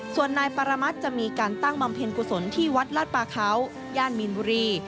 ส่วนนายปรมัติจะมีการตั้งบำเพ็ญกุศลที่วัดลาดปาเขาย่านมีนบุรี